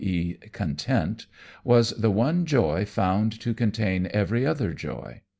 e._, content, was the one joy found to contain every other joy.